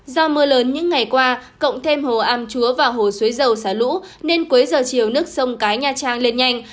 do mưa lớn những ngày qua cộng thêm hồ am chúa và hồ suối dầu xả lũ nên cuối giờ chiều nước sông cái nha trang lên nhanh